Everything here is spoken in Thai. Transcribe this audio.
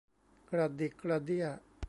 กระดิกกระเดี้ย